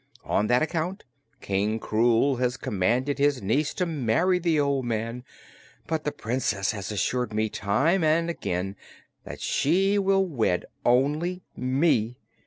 On that account King Krewl has commanded his niece to marry the old man, but the Princess has assured me, time and again, that she will wed only me.